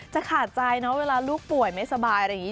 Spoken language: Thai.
ขาดใจนะเวลาลูกป่วยไม่สบายอะไรอย่างนี้